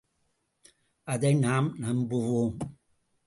அதை நாம் நம்புவோம்!